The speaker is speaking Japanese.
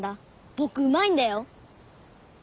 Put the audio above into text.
僕うまいんだよ。